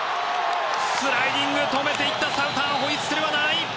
スライディング止めていったソウターホイッスルはない！